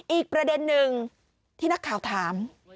อีกประเด็นหนึ่งที่นักข่าวถาม